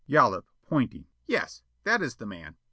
Yollop, pointing: "Yes. That is the man."